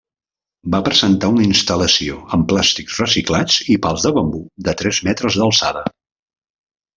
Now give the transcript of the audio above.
Va presentar una instal·lació amb plàstics reciclats i pals de bambú de tres metres d’alçada.